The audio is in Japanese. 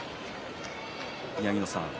宮城野さん